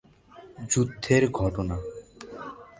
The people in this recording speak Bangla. যুদ্ধের ঘটনা।